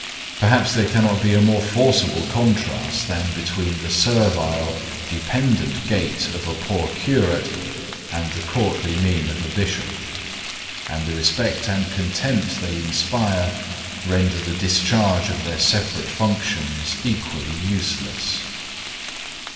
Perhaps there cannot be a more forcible contrast than between the servile, dependent gait of a poor curate, and the courtly mien of a bishop. And the respect and contempt they inspire render the discharge of their separate functions equally useless.